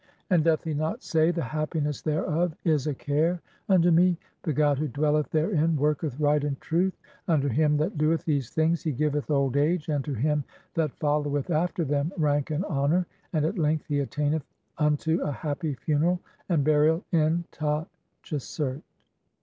And doth he not say, 'The happiness thereof "(38) is a care unto me ?' The god who dwelleth therein "worketh right and truth ; unto him that doeth these things "he giveth old age, and to him that followeth after them rank "and honour, and at length he attaineth unto (3g) a happy "funeral and burial in Ta tchesert."